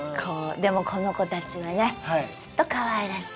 でもこの子たちはねずっとかわいらしい。